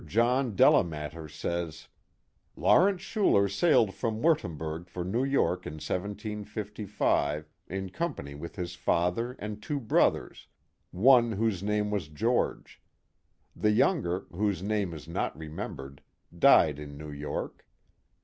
John Delamater says :" Lawrence Schuler sailed from Wurtumberg for New York in 1755 in company with his father and two brothers, one whose name was George; the younger, whose name is not remembered, died in \ew York.